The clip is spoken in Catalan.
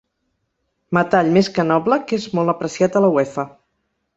Metall més que noble que és molt apreciat a la Uefa.